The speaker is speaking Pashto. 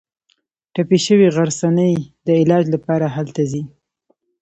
ټپي شوې غرڅنۍ د علاج لپاره هلته ځي.